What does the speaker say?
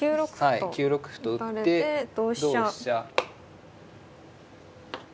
はい９六歩と打って同飛車。